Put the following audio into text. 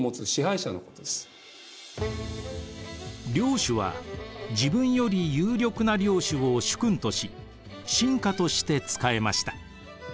領主は自分より有力な領主を主君とし臣下として仕えました。